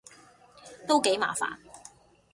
都幾麻煩